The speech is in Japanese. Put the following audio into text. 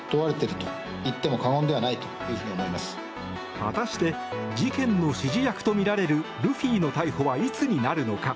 果たして事件の指示役とみられるルフィの逮捕はいつになるのか。